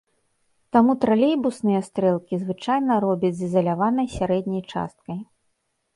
Таму тралейбусныя стрэлкі звычайна робяць з ізаляванай сярэдняй часткай.